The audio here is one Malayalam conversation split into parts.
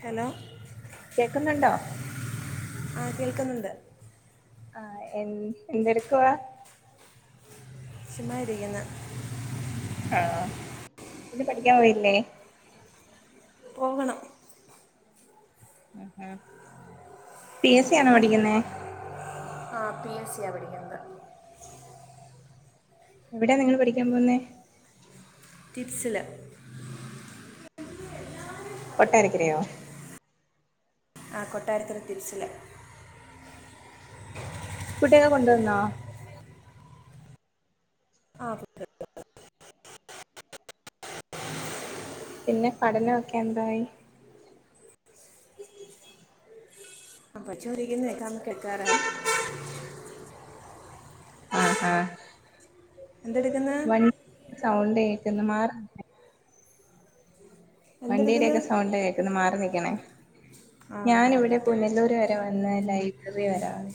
ഹലോ കേക്കുന്നുണ്ടോ ആഹ് കേൾക്കുന്നുണ്ട് ആഹ് എ എന്തെടുക്കവാ ചുമ്മായിരിക്കുന്നു ആഹ് പിന്നേ പഠിക്കാൻ പോയില്ലേ പോകണം ആഹ് പി എ സി ആണോ പഠിക്കുന്നേ ആഹ് പി എ സിയാ പടിക്കുന്ന എവിടയാ നിങ്ങള് പഠിക്കാൻ പോന്നേ ടിപ്സില് കൊട്ടാരക്കരയോ ആഹ് കൊട്ടാരക്കര ടിപ്സില് ഫുഡൊക്കെ കൊണ്ടുവന്നോ ആഹ് [unintelligible] പിന്നെ പഠനംക്കെ എന്തായി പഠിച്ചോണ്ട് ഇരിക്കുന്നു എക്കമ കേൾക്കാറ ആഹ് ആഹ് എന്തെടുക്കുന്നു വണ്ടി സൗണ്ട്ക്കേക്കുന്നു മാറി നിന്നേ വണ്ടീടെ എന്തെടുക്കുന്നു ഒക്കെ സൗണ്ട് കേക്കണ് മാറി നിക്കണേ ആ ഞാനിവിടെ മറന്നിക്കാം പുനലൂര് വരെ വന്ന്‌ ലൈബ്രറി വരാണ്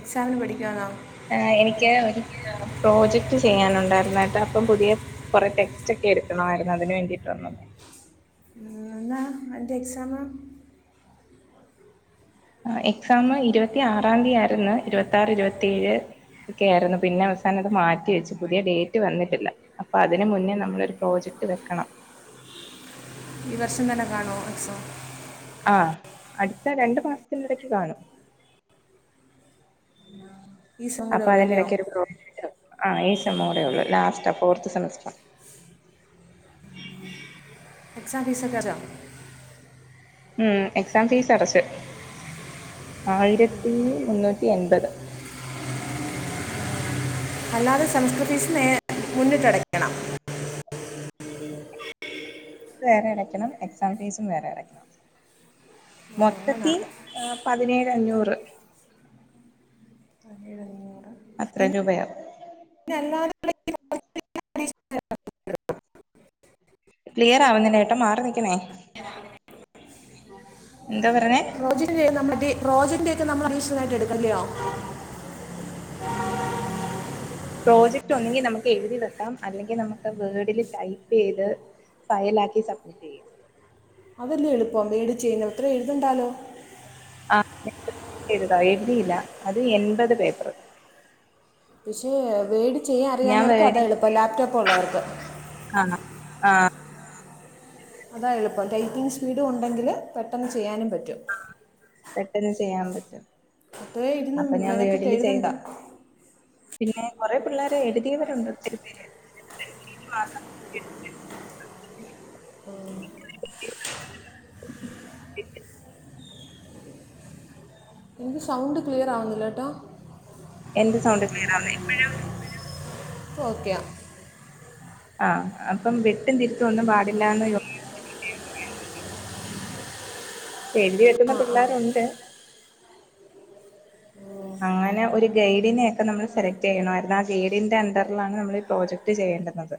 എക്സാമിന് പഠിക്കുവാണോ ആഹ് എനിക്ക് ഒരു [unintelligible] പ്രോജക്ട് ചെയ്യാനുണ്ടായിരുന്നായിട്ട് അപ്പം പുതിയ കുറെ ടെക്സ്റ്റ് ഒക്കെ എടുക്കണമായിരുന്നു അതിന് വേണ്ടിട്ട് വന്നതാ ഉം എന്നാ അതിന്റെ എക്സാംമാ ആഹ് എക്സാം ഇരുപത്തി ആറാം തീയതി ആയിരുന്നു ഇരുപത്തി ആറ് ഇരുപത്തിയേഴ് ക്കേ ആയിരുന്നു പിന്നെ അവസാനം മാറ്റി വെച്ചു പുതിയ ഡേറ്റ് വന്നിട്ടില്ല അപ്പൊ അതിന് മുന്നേ നമ്മളൊരു പ്രോജ ട്റ്റ് വെക്കണം ഈ വർഷം തന്നെ കാണോ എക്സാം ആഹ് അടുത്ത രണ്ടു മാസത്തിനിടക്ക് കാണും ഈ സം കൂടെ അപ്പൊ ഉള്ളൂ അതി അല്ലയോ ഇടക്ക് ഒരു പ്രോജക്റ്റ് വെയ്ക്കണം ആഹ് ഈ സെമൂടെേ ഉള്ളൂ ലാസ്റ്റ് ഫോർത്ത് സെമസ്റ്റർ [inaudible] എക്സാം [unintelligible] ഉം എക്സാം ഫീസ് അടച്ചു ആയിരത്തി മുന്നൂറ്റി എൺപത് അല്ലാതെ സംസ്കൃതി നേ മുന്നിട്ടടയ്ക്കണം വേറെ അടക്കണം എക്സാം ഫീസും വേറെ അടക്കണം അങ്ങനെ മൊത്തത്തിർ പതിനേഴ് അഞ്ഞൂറ് പതിനേഴ് അത്രയും രൂപയാവും പിന്നല്ലാതെ അട ക്ലിയർ ആവുന്നില്ലാ ഏട്ടോ മാറി നിക്കണേ എന്താ പറഞ്ഞേ റോജിന്റെ നമ്മള് റോജിന്റെ ഒക്കെ നമ്മൾ അടിക്ഷണൽലായിട്ട് എടുക്കല്ലയോ പ്രോജക്റ്റ് ഒന്നെങ്കിൽ നമുക്ക് എഴുതി വെക്കാം അല്ലെങ്കിൽ നമുക്ക് വേഡില് ടൈപ്പ് ചെയ്ത് ഫയൽ ആക്കി സബ്മിറ്റ് ചെയ്യാ അതല്ലേ എളുപ്പം മേടിച്ച് കഴിഞ്ഞാ അത്രയും എഴുതണ്ടാലോ [unintelligible] എഴുതാം എഴുതിയില്ല അത് എൺപത് പേപ്പറ് പക്ഷെ വേഡ് ചെയ്യാൻ ഞാൻ അറിയാന്നവർക്ക് അതാ വേർഡിൽ എളുപ്പം ലാപ്ടോപ്പ് ഉള്ളവർക്ക് ആഹ് ആഹ് അതാ എളുപ്പം ടൈറ്റിങ് സ്പീഡും ഉണ്ടെങ്കില് പെട്ടെന്ന് ചെയ്യാനും പറ്റും പെട്ടെന്ന് ചെയ്യാൻ പറ്റും അത്രേ ഇരുന്ന് അപ്പൊ ഞാൻ മെനക്കെട്ട് വീടില് എഴുതണ്ട ചെയ്തട്ട് പിന്നെ കുറേ പിള്ളേരെ എഴുതിയവരുണ്ട് ഒത്തിരി പേര് [inaudible] [inaudible] എനിക്ക് സൗണ്ട് ക്ലിയർ ആകുന്നില്ലാട്ടോ എനിക്ക് സൗണ്ട് ക്ലിയർ ആവുന്നില്ല ഇപ്പഴോ ഇപ്പം ഓക്കെയാ ആഹ് അപ്പം വെട്ടും തിരുത്തും ഒന്നും പാടില്ലാന്ന് [inaudible] എഴുതി വെക്കുന്ന പിള്ളാരുണ്ട് അങ്ങനെ ഒരു ഗൈഡിനെ ഒക്കെ നമ്മൾ സെലക്ട് ചെയ്യണമായിരുന്നു ആ ഗൈഡിന്റെ അണ്ടറിലാണ് നമ്മൾ ഈ പ്രോജക്ട് ചെയ് വേണ്ടുന്നത്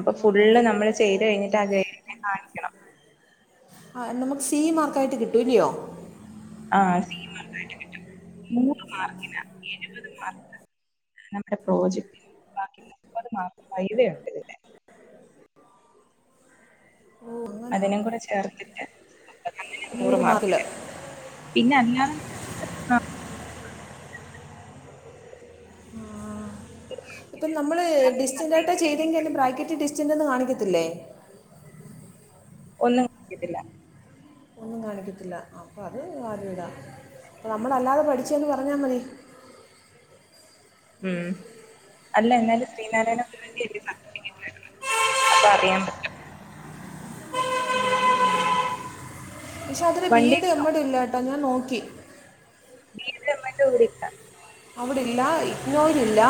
അപ്പൊ അങ്ങനെ ഫുള്ള് നമ്മള് ചെയ്ത് കഴിഞ്ഞിട്ട് ആ ഗൈഡിനെ കാണിക്കണം ആഹ് നമുക്ക് സീ മാർക്ക് ആയിട്ട് കിട്ടുവില്ലിയോ ആഹ് സീ മാർക്ക്‌ ആയിട്ട് കിട്ടും മൂന്ന് മാർക്കിലാ എഴുപത് മാർക്ക് നമ്മുടെ പ്രോജക്റ്റിന് ബാക്കി മുപ്പത് മാർക്ക്‌ വൈവ ഉണ്ടിതില് ഓ അങ്ങനെ അതിനും കൂടെ ചേർത്തിട്ട് അമ്പത് നൂറ്മാർക്കില് പിന്നെ അല്ലാതെ ആഹ് കിട്ടില്ലേ ഇപ്പം നമ്മള് ഡിസ്റ്റന്റ് ആയിട്ടാ ചെയ്തെങ്കിൽ അതിന്റെ ബ്രാക്കറ്റിൽ ഡിസ്റ്റന്റ് എന്ന് കാണിക്കത്തില്ലേ ഒന്നും കാണിക്കത്തില്ല ഒന്നും കാണിക്കത്തില്ല അപ്പം അത് വാല്യൂഡാ അപ്പം നമ്മളല്ലാതെ പഠിച്ചന്ന് പറഞ്ഞാ മതി ഉം അല്ല എന്നാലും ശ്രീനാരായണഗുരുവിന്റെ അല്ലേ സർട്ടിഫിക്കറ്റ് അപ്പം അറിയാൻ പറ്റും പക്ഷെ അതില് ബി വണ്ടി എഡും എം എഡും ഇല്ല കേട്ടോ ഞാൻ നോക്കി ബി എഡും എം എഡും ഇവിടില്ല അവിടില്ല ഇഗ്നോയിൽ യിലും ഇല്ല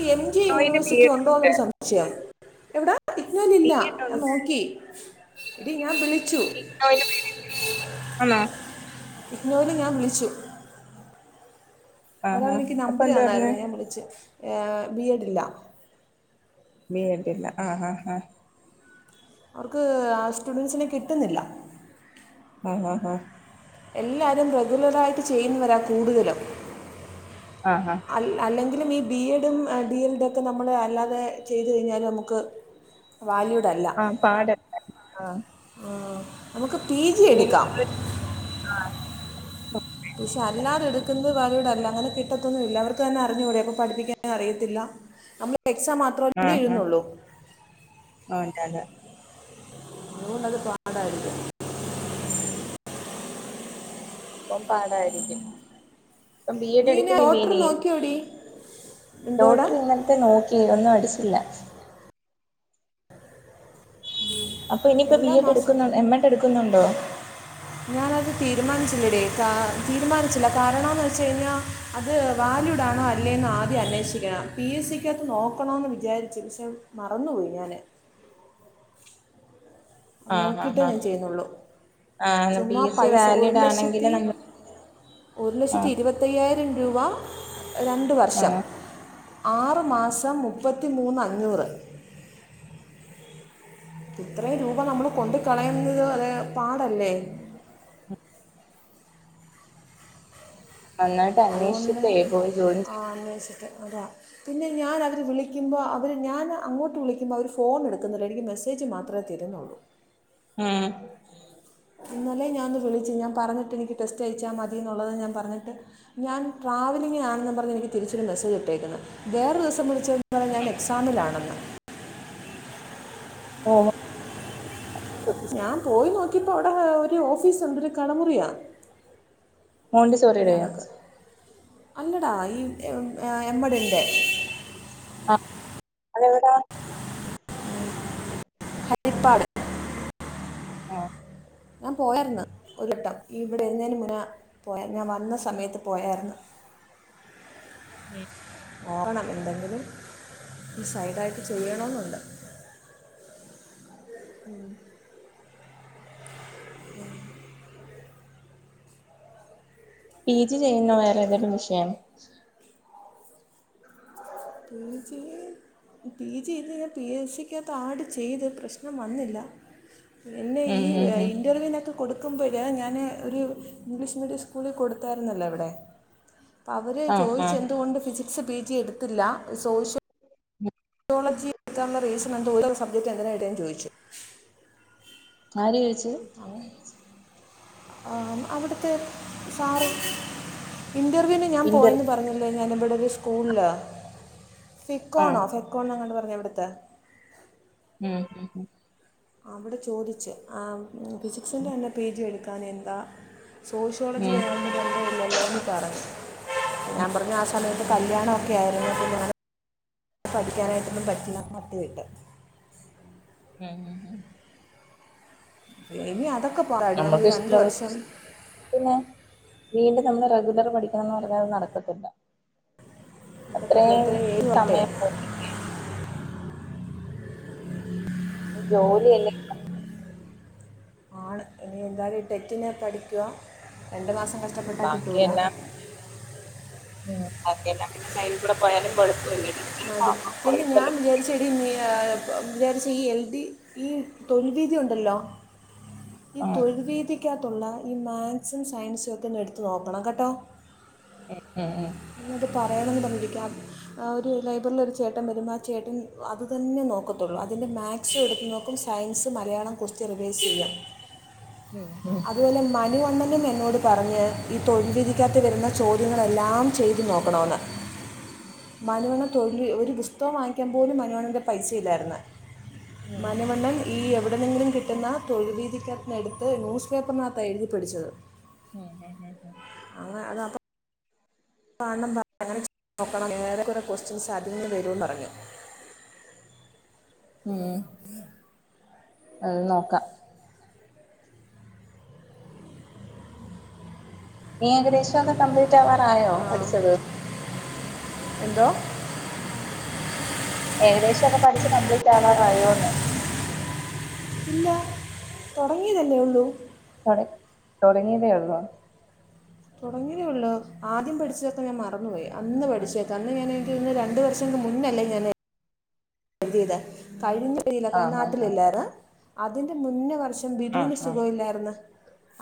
ഈ എം ജി ഇഗ്നോയില് ബി യൂണിവേഴ്സിറ്റി എഡ് ഉണ്ടോന്ന് ഒര് ഉണ്ട് സംശയം എവിടാ ഇഗ്നോയിൽ ബി ഇല്ല എഡ് ഞാൻ ഉണ്ട് നോക്കി എടി ഞാൻ വിളി [unintelligible] ആന്നോ ഇഗ്നോയില് ഞാൻ വിളിച്ചു ആഹാ ഒരാള് എനിക്ക് അപ്പൊ നമ്പര് എന്താ പറഞ്ഞെ തന്നായിരുന്നേ ഞാൻ വിളിച്ച് ബി എഡ് ഇല്ല ബി എഡ് ഇല്ല ആഹ് ആഹ് ആഹ് അവർക്ക് ആ സ്റ്റുഡൻസിനെ കിട്ടുന്നില്ല ആഹ് ആഹ് ആഹ് എല്ലാരും റെഗുലറ് ആയിട്ട് ചെയ്യുന്നവരാ കൂടുതലും [inaudible] അല്ല് അല്ലെങ്കി എങ്കിലും ഈ ബി എഡും ഡി എൽ എഡൊക്കെ നമ്മൾ അല്ലാതെ ചെയ്ത് കഴിഞ്ഞാൽ നമുക്ക് വാല്യൂടല്ല ആഹ് പാട് ആഹ് ആഹ് നമുക്ക് പി ജി പിന്നെ എടുക്കാം നിങ്ങള് പക്ഷെ അല്ലാതെ എടുക്കുന്നത് വാല്യൂഡ് അല്ല അങ്ങനെ കിട്ടത്തൊന്നും ഇല്ല അവർക്ക് തന്നെ അറിഞ്ഞുകൂടേ അപ്പൊ പഠിപ്പിക്കാനും അറിയത്തില്ല നമ്മള് എക്സാം മാത്രമല്ലേ ആഹ് ആഹ് എഴുന്നുള്ളൂ അതെ അതെ അതുകൊണ്ടത് പാടായിരിക്കും അപ്പം പാടായിരിക്കും അപ്പം ബി എഡ് നീ എടുക്കുന്നില്ലേ ഡോക്ടർ ഇനി നോക്കിയോടി എന്തോടാ ലോട്ടറി ഇന്നലത്തെ നോക്കി ഒന്നും അടിച്ചില്ല അപ്പൊ ഇനീപ്പോ ബി എല്ലാ എഡ് മാസവും എടുക്കുന്നു തന്നെ എം എഡ് എടുക്കുന്നുണ്ടോ ഞാനത് തീരുമാനിച്ചില്ലടേ തീരുമാനിച്ചില്ല കാരണംന്ന് വെച്ച് കഴിഞ്ഞാൽ അത് വാല്യൂഡ് ആണോ അല്ലെ ആദ്യം അന്വേഷിക്കണം പി എസ് സിക്കകത്ത് നോക്കണന്ന് വിചാരിച്ചു പക്ഷെ മറന്നുപോയി ഞാന് ഉ ആഹ് നോക്കിയിട്ടേ ഞാൻ ആഹ് ചെയ്യുന്നുള്ളു ആഹ് പി ചുമ്മാ എസ് സി പൈസ ഒരു വാലിഡ് ആണെങ്കില് ലക്ഷത്തി നമ്മൾ ഒരു ലക്ഷത്തി ആഹ് ഇരുപത്തയ്യായിരം രൂപ രണ്ട് വർഷം ആഹ് ആറ് മാസം മുപ്പത്തിമൂന്ന് അഞ്ഞൂറ് ഇത്രയും രൂപ നമ്മള് കൊണ്ട് കളയുന്നത് അ പാടല്ലേ ഉ നന്നായിട്ട് അതുകൊണ്ട് അന്വേഷിച്ചിട്ടേ പോയി ജോയിൻ ചെയ്യ് അന്വേഷിച്ചിട്ട് അത പിന്നെ ഞാൻ അവർ വിളിക്കുമ്പോൾ അവര് ഞാൻ അങ്ങോട്ട് വിളിക്കുമ്പോൾ അവർ ഫോൺ എടുക്കുന്നില്ല എനിക്ക് മെസ്സേജ് മാത്രം അത്ര തിരുന്നുള്ളൂ ഉം ഞാൻ പറഞ്ഞിട്ട് എനിക്ക് ടെസ്റ്റ് അയച്ചാൽ മതിയ എന്നുള്ളത് ഞാൻ പറഞ്ഞിട്ട് ഞാൻ ട്രാവലി ആണ പറഞ്ഞ അപ്പോതെനി തിരിച്ചരു മെസ്സേജ് ഇട്ടേക്കുന്നത് വേറെ ദിവസം വിളിച്ചത് പറ ഞാൻ എക്സമിലാണെന്നെന്ന് ഓ ഞാൻ പോയി നോക്കിയപ്പോ അവിടെ ഒരു ഓഫീസുണ്ട് ഒരു കടമുറിയാ ഹണ്ണ്ട സോര രയാ അല്ലടാ ഈ എമ്മടിന്റെറെ ആ അതെവിടാ ഴിപ്പാട് ആഹ ഞാൻ പോയായിരുന്നു ഒരിട്ടം ഇവിടെ എഴുന്നതിന് മുന്നേ പോയ ഞാൻ വന്ന സമയത്ത് പോയായിരുന്നു ഉം ഓണം എന്തെങ്കിലും സൈഡ ആയിട്ട് ചെയ്യണെന്നുണ്ട് ഉം പി ജി ചെയ്യുന്ന വേറെ ഏതെരു വിഷയം പിക്ക പി ജി ചെയ്ത് കഴിഞ്ഞ പി എസ് സിക്കകത്ത് ആട് ചെയ്ത് പ്രശ്നം വന്നില്ല എന്നെ ഈ ഉം ഉം ഉം ഇന്റർവ്യൂവിനൊക്കെ കൊടുക്ക നക്കുമ്പരാ ഞാൻ ഒരു ഇംഗ്ലീഷ് മീഡിയം സ്കൂളിൽ കൊടുത്തായിരുന്നല്ലോ ഇവിടെ അപ്പം അവർ ആഹ് ചോദിച്ച ആഹ് എന്തുകൊണ്ട് ഫിസിക്സ് പി ജി എടുത്തില്ല സോഷ്യൽ ളജി എക്കാനുള്ള റീസൺ എന്തോ ഓരോ സബ്ജക്ട് എന്തിനായിട്ടും ചോദിച്ചു കാര്യ വച്ചു അവിടുത്തെ സാറ ഇന്റർവ്യൂവിന് ഞാൻ ഇന്റർ പോയെന്ന് പറഞ്ഞല്ലേ ഞാനിവിടെ ഒരു സ്കൂളിലാണ് ഫിക്കോണോ ആഹ് ഫെക്കോണോങ്ങണ്ട് പറഞ്ഞ എവിടുത്തെ ഉം ഉ ഉ അവിടെ ചോദിച്ച് ഫിസിക്സിന്റെ തന്നെ പി ജി എടുക്കൻ എന്താ സോഷ്യോളജി ഉം വേണ എന്ത ഉള്ളല്ലോന്ന് പറഞ്ഞു ഞാൻ പറഞ്ഞു ആ സമയത്ത് കല്യാണം ഒക്കെ ആയിരുന്നു പഠിക്കാനായിട്ട് ഒന്നും പറ്റില്ല നടത്തി വിട്ട് ആഹ ഉ് ഹ ഇനി അതൊക്കെ പാടി നമ്മൾ ഈ നമ്മക്ക് രണ്ട് ഇഷ്ടുള്ള വർഷം പിന്നീ നമ്മള് റെഗുലർ പഠിക്കണംന്ന് പറഞ്ഞത് നടക്കത്തില്ല അതൊക്കെ അത്രയും പിള്ളേരെ ഏഴ് വട്ടേ സമയം പോ ജോലി അല്ലേ ആണ് ഇനി എന്തായാലും ടെറ്റിനന് പഠിക്കുക രണ്ട് മാസം കഷ്ടപ്പെട്ടാ കിട്ടൂലാണ് ഉ ഓക്കൊ പിന്നെ സൈല കൂടെ പോയാലും കൊഴപ്പം അതെ പിന്നെ ഞാൻ വിചാരിച്ചെടി നീ വിചാരിച്ച ഈ എൽ ഡി ഈ തൊഴിൽ രീതി ഉണ്ടല്ലോ ആഹ് തഴ ക്കത്തുള്ള ഈ മാത്സും സയൻസും ഒക്കെ ഒന്ന് എടുത്ത നോക്കണം കേട്ടോ ഉ ഉം ഉ ഞത് പറയണമെന്ന് പറഞ്ഞിരിക്കുക ഒരു ലൈബ്രൽ ഒരു ചേട്ടൻ വരുമ്പോൾ ആ ചേട്ടൻ അത് തന്നെ നോ നോക്കത്തുള്ളൂ അതിന്റെ മാത്സ എടുു നോക്കും സയൻസ് മലയാള റിവേസ് ചെയ്യാം ഉം ഉം അതുപോലെ മ അനുവണ്ണനും എന്നോട് പറഞ്ഞ് ഈ തൊഴിൽ വിധിക്കാത്ത വരുന്ന ചോദ്യങ്ങളെല്ലാം ചെയ്തു നോക്കണമന്ന് മനോുവണ് തൊഴില് ഒരു പുസ്തകം വാങ്ങിക്കാാന് പോലും മനുവണ്ണന്റെ പൈസ ഇല്ലായിുന്ന ഉം ഉം മനവണ്ണന് ഈ എവിടെയെങ്കിലും കിട്ടുന്ന തൊഴിൽവീതിക്കനടുത്ത് ന്യൂസ് പേപ്പർനാത്ത എഴുതിപ്പ പിടിച്ചത് ഹ ഹ് ഹ പങ്ങനെ നോണം ഏറെ കുറെ ക്വസ്റ്റ്യൻസ് അതിൽന്ന് വരുമന്ന്ിറങ്ങി ഉം അത് നോക്കാം നീ അഗ്രശോ ഒക്കെ കംപ്ലീറ്റ് ആവാറായോ പഠിച്ചത് എന്ത ഏകദേശം ഒക്കെ പഠിിച്ചു കംപ്ലീറ്റ് ആവാൻ കഴിയോന്ന് ഇല്ല തുടങ്ങിയതല്ലേ ഉള്ളൂ ട തുടങ്ങിയതേ ആരുന്നുോ തുടങ്ങിയേയള്ളൂ ആദ്യം പഠിച്ചതൊക്കെ ഞാൻ മറന്നു പോയി അന്ന് പഠിച്ചേക്കെ അന്ന് ഞാൻ രണ്ടു വർഷം മുന്നല്ലേ ഞാൻ എഴതിയതെ കഴിഞ്ഞീയില ആഹ് നാട്ടിലല്ല അതിന്റെ മുന്നേ വർ പം ബിദുവിനന് ആഹ് സുഖമ ഇില്ലായിരുന്നു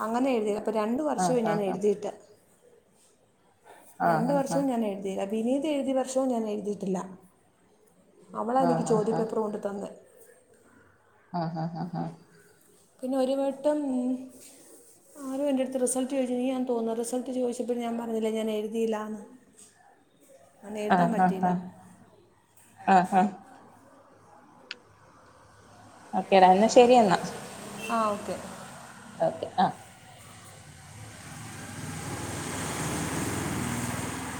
അങ്ങനെ എഴുതി അപ്പോ രണ്ട വർഷവുംേ ആഹ് ഞാൻ എഴുതിയിട്ട് ആഹ് ആഹ് രണ്ടു ആഹ് വർഷവും ഞാൻ എഴുതിയില്ല വിനീത് എഴുതി വർഷവും ഞാൻ എഴുതിയിട്ടില്ല അവള ആഹ് ആഹ് എനിക്ക് ആഹ് ചോദ്യപേപ്പര് കൊണ്ട്ു തന്നെ ആഹ ആ് ആഹ പിന്നെ ഒരു വട്ടം ആരും എൻറടുത്ത് റിസൾട്ട് ചോദിച്ചെങ്കിൽ ഞാൻ തോന്ന റിസൾട്ട് ചോദിച്ചപ്പോഴും ഞാൻ പറഞ്ഞില്ലേ ഞാൻ എഴുതിയില്ലന്ന് ആഹ് ആഹ് ആഹ ആഹ് ആഹ ഓക്കേടാ എന്നാ ശരിെന്നാ ആ ഓക്കെ ഓക്കെ ആഹ